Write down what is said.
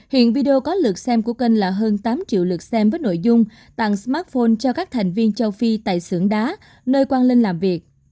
hiện video có lượt xem của kênh là hơn tám triệu lượt xem với nội dung tặng smartphone cho các thành viên châu phi tại sưởng đá nơi quang linh làm việc